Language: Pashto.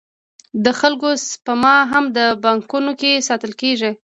د خلکو سپما هم په بانکونو کې ساتل کېږي